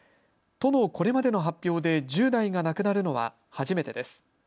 都のこれまでの発表で１０代が亡くなるのは初めてです。